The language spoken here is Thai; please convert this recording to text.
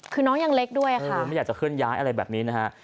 คือน้องยังเล็กด้วยค่ะไม่อยากจะเคลื่อนย้ายอะไรแบบนี้นะฮะ